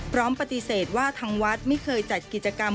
พร้อมปฏิเสธว่าทางวัดไม่เคยจัดกิจกรรม